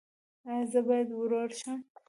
ایا زه باید ورور شم؟